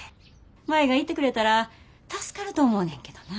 舞が行ってくれたら助かると思うねんけどな。